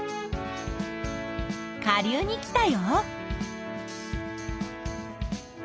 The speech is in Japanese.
下流に来たよ。